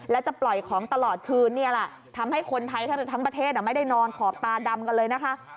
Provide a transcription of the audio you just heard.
และจะปล่อยของตลอดคืนนี่แหละทำให้คนไทยแทบทั้งประเทศไม่ได้นอนขอบตาดำกันเลยนะคะ